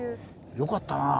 よかったなあ。